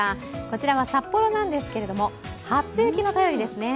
こちらは札幌なんですけれども、初雪の便りですね。